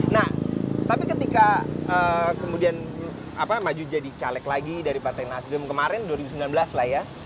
nah tapi ketika kemudian maju jadi caleg lagi dari partai nasdem kemarin dua ribu sembilan belas lah ya